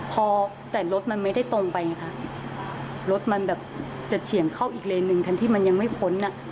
พอแต่รถมันไม่ได้ตรงไปไงคะรถมันแบบจะเฉียงเข้าอีกเลนหนึ่งคันที่มันยังไม่พ้นอ่ะ